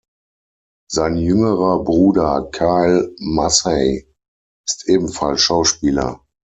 Sein jüngerer Bruder Kyle Massey ist ebenfalls Schauspieler.